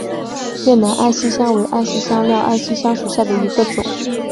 越南安息香为安息香科安息香属下的一个种。